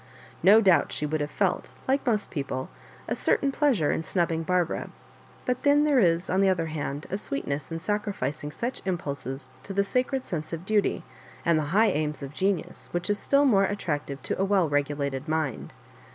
No doubt slie would have felt, like most people, a certain pleasure in snubbing Barbara ; but then there is, on the other hand, a sweetness in sacrific ing such impulses to the sacred sense of duty and the high aims of genius which is still more attractive to a well regulated mind.